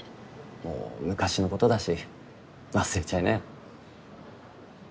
もう昔のことだし忘れちゃいなよ